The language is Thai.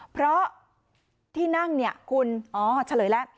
เพราะที่นั่งคุณเฉลยแล้ว